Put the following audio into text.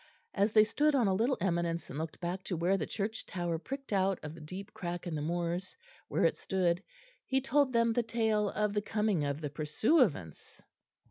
As they stood on a little eminence and looked back to where the church tower pricked out of the deep crack in the moors where it stood, he told him the tale of the coming of the pursuivants.